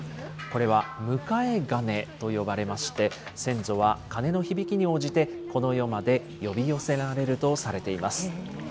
これは迎え鐘と呼ばれまして、先祖は鐘の響きに応じて、この世まで呼び寄せられるとされています。